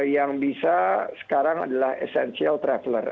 yang bisa sekarang adalah essential traveler